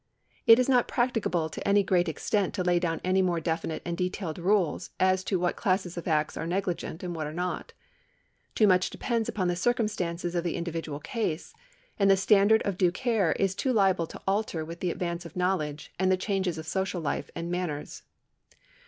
It is not practicable to any great extent to lay down any more definite and detailed rules as to what classes of acts are negligent and what are not. Too much depends upon the circumstances of the individual case, and the standard of due care is too liable to alter with the advance of knowledge and the changes of social life and manners.